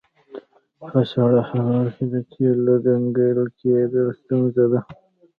په سړه هوا کې د تیلو کنګل کیدل ستونزه ده